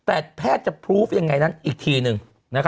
แต่แพทย์จะพรุฟอย่างไรนั้นอีกทีนึง